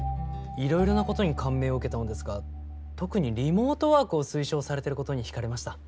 いろいろなことに感銘を受けたのですが特にリモートワークを推奨されてることに惹かれました。